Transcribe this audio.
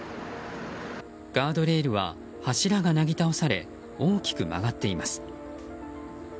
ガードレールは柱がなぎ倒され大きく曲がっています。